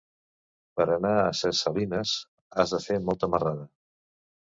Per anar a Ses Salines has de fer molta marrada.